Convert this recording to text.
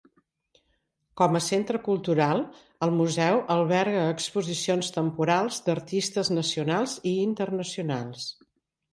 Com a centre cultural el museu alberga exposicions temporals d'artistes nacionals i internacionals.